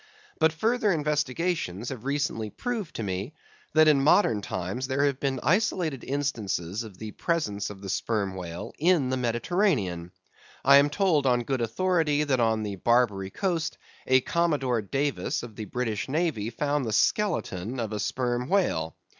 But further investigations have recently proved to me, that in modern times there have been isolated instances of the presence of the sperm whale in the Mediterranean. I am told, on good authority, that on the Barbary coast, a Commodore Davis of the British navy found the skeleton of a sperm whale.